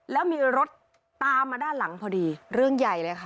แล้วมีรถตามมาด้านหลังพอดีเรื่องใหญ่เลยค่ะ